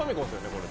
これ。